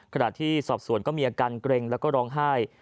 ขณะที่สอบสวนก็มีอาการเกร็งแล้วก็ร้องไห้